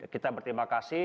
kita berterima kasih